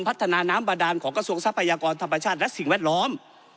พัฒนาน้ำบาดานของกระทรวงทรัพยากรธรรมชาติและสิ่งแวดล้อม